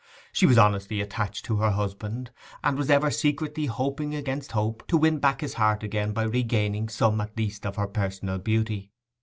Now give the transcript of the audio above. She was honestly attached to her husband, and was ever secretly hoping against hope to win back his heart again by regaining some at least of her personal beauty.